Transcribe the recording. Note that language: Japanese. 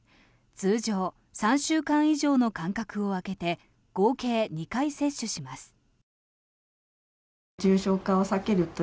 通常、３週間以上の間隔を空けて合計２回接種します。